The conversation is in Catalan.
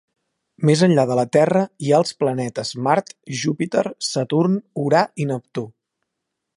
Més enllà de la Terra, hi ha els planetes Mart, Júpiter, Saturn, Urà i Neptú.